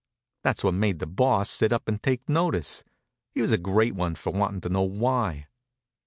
That's what made the Boss sit up and take notice. He was a great one for wanting to know why.